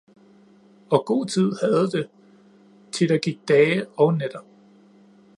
Og god tid havde det, thi der gik dage og nætter